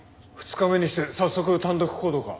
２日目にして早速単独行動か。